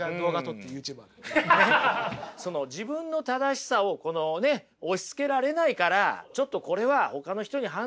その自分の正しさをこのね押しつけられないからちょっとこれはほかの人に判断してもらおうと思ったと。